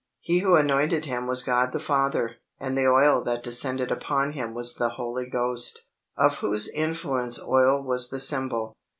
He who anointed Him was God the Father, and the oil that descended upon Him was the Holy Ghost, of whose influence oil was the symbol.